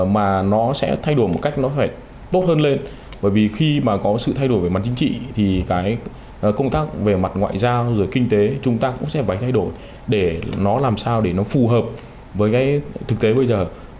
mà nó sẽ thay đổi một cách nó phải tốt hơn lên bởi vì khi mà có sự thay đổi về mặt chính trị thì cái công tác về mặt ngoại giao rồi kinh tế chúng ta cũng sẽ phải thay đổi để nó làm sao để nó phù hợp với cái thực tế bây giờ